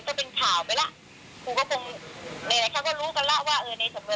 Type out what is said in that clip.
ต่อไปมันก็ต้องมีอีกอ่ะในเมื่อในเมื่อปล่อยมาฟ้าก็ฟ้าก็คิดว่า